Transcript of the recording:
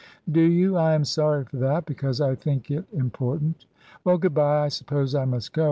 "Do you? I am sorry for that, because I think it important. Well, good bye. I suppose I must go.